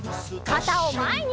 かたをまえに！